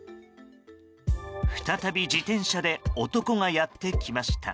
再び、自転車で男がやってきました。